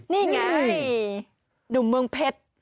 นี่ไงหนุ่มเมืองเพชร